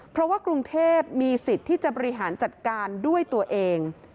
เพราะว่ากรุงเทพมีสิทธิ์ที่จะบริหารจัดการด้วยตัวเอง